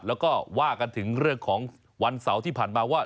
แล้วก็ว่ากันถึงเรื่องของวันเสาร์ที่ผ่านมาว่า